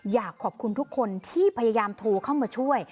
อยากขอบคุณทุกคนที่พยายามโทรเข้ามาช่วย